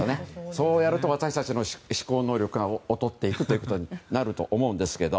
そうやると私たちの思考能力が劣っていくということになると思うんですけど。